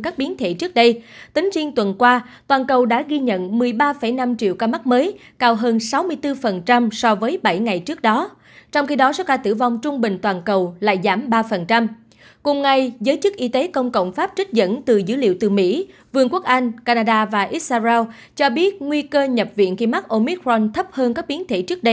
các bạn hãy đăng ký kênh để ủng hộ kênh của chúng mình nhé